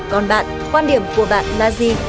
còn bạn quan điểm của bạn là gì